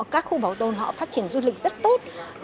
các khu bảo tồn họ phát triển du lịch rất tốt